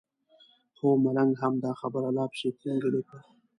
هو ملنګ هم دا خبره لا پسې ترینګلې کړه.